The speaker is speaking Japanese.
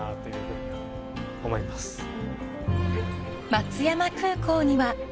［松山空港には］